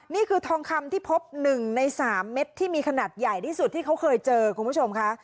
นี่คือทองคำที่พบ๑ใน๓เม็ดที่มีขนาดใหญ่ที่สุดที่เขาเคยเจอคุณผู้ชมค่ะ